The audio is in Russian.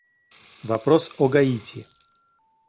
Вопрос о Гаити.